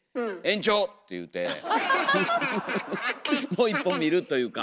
もう一本見るというか。